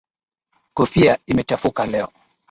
Kofia imechafuka leo.